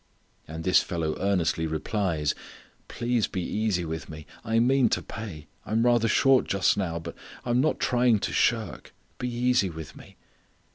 And his fellow earnestly replies, "Please be easy with me; I mean to pay; I'm rather short just now: but I'm not trying to shirk; be easy with me."